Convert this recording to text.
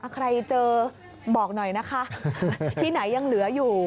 ใครเจอบอกหน่อยนะคะที่ไหนยังเหลืออยู่